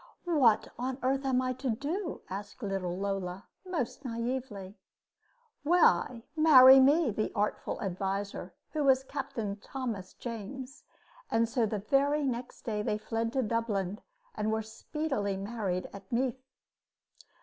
"What on earth am I to do?" asked little Lola, most naively. "Why, marry me," said the artful adviser, who was Captain Thomas James; and so the very next day they fled to Dublin and were speedily married at Meath.